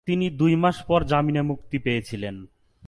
তিনি দুই মাস পর জামিনে মুক্তি পেয়েছিলেন।